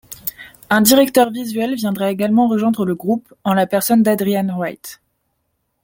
Un directeur visuel viendra également rejoindre le groupe en la personne d'Adrian Wright.